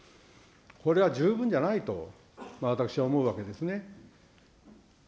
これは十分じゃないと、私は思うわけですね。